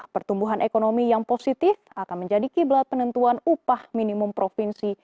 pertumbuhan ekonomi yang positif akan menjadi kiblat penentuan upah minimum provinsi